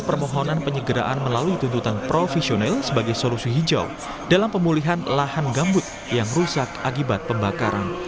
permohonan penyegeraan melalui tuntutan profesional sebagai solusi hijau dalam pemulihan lahan gambut yang rusak akibat pembakaran